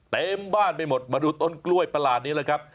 เต็มบ้านไปหมดมาดูต้นกล้วยประหลาดนี้เลยครับ